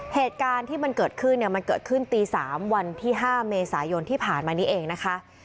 เหตุการณ์ที่มันเกิดขึ้นเนี่ยมันเกิดขึ้นตี๓วันที่๕เมษายนที่ผ่านมานี้เองนะคะ